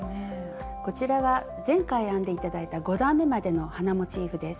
こちらは前回編んで頂いた５段めまでの花モチーフです。